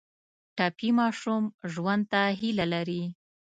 ټپي ماشوم ژوند ته هیله لري.